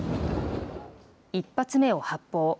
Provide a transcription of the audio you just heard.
１発目を発砲。